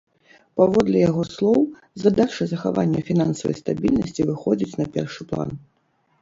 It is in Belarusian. Паводле яго слоў, задача захавання фінансавай стабільнасці выходзіць на першы план.